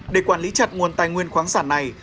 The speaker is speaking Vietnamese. để quản lý chặt nguồn tài nguyên khoáng sản này